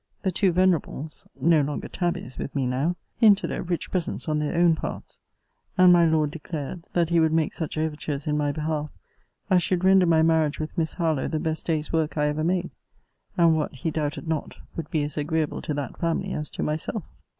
The two venerables [no longer tabbies with me now] hinted at rich presents on their own parts; and my Lord declared that he would make such overtures in my behalf, as should render my marriage with Miss Harlowe the best day's work I ever made; and what, he doubted not, would be as agreeable to that family as to myself.